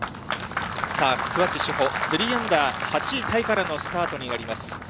さあ、桑木志帆、３アンダー８位タイからのスタートになります。